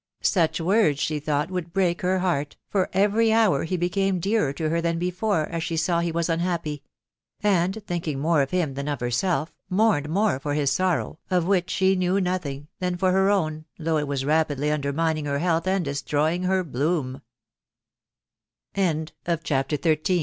• Such words she thought would break her heart, for every hour he became dearer to her than before, as she saw he was unhappy ; and, thinking more of him than of herself, mourned more for his sorrow, of which she knew nothing, than for her own, though it was rapidly undermining' her health and destroy